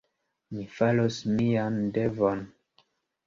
Mi faros mian devon.